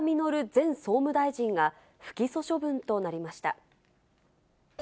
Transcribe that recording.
前総務大臣が不起訴処分となりました。